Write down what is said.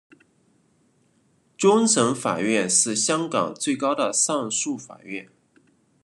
终审法院是香港最高的上诉法院。